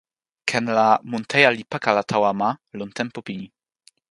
ken la mun Teja li pakala tawa ma lon tenpo pini.